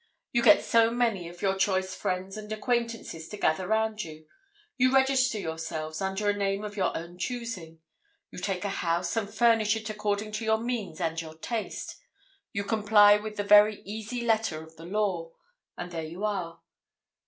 You get so many of your choice friends and acquaintances to gather round you; you register yourselves under a name of your own choosing; you take a house and furnish it according to your means and your taste: you comply with the very easy letter of the law, and there you are.